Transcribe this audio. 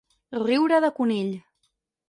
Riure de conill.